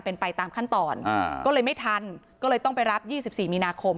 เป็นไปตามขั้นตอนก็เลยไม่ทันก็เลยต้องไปรับ๒๔มีนาคม